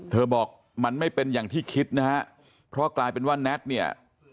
บอกมันไม่เป็นอย่างที่คิดนะฮะเพราะกลายเป็นว่าแน็ตเนี่ย